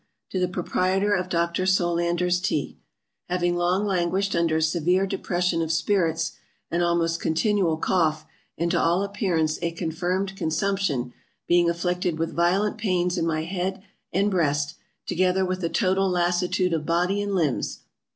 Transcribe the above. To the Proprietor of Dr. SOLANDER'S TEA. HAVING long languished under a severe depression of spirits, an almost continual cough, and to all appearance, a confirmed consumption, being afflicted with violent pains in my head and breast, together with a total lassitude of body and limbs.